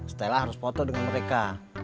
stella harus foto dengan mereka